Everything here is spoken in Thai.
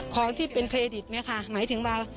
ของที่เป็นเครดิตเนี่ยค่ะหมายถึงว่า